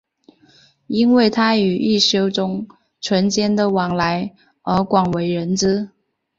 因为他与一休宗纯间的往来而广为人知。